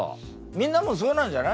みんなもそうなんじゃないの？